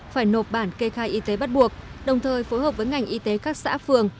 phải nộp bản kê khai y tế bắt buộc đồng thời phối hợp với ngành y tế các xã phường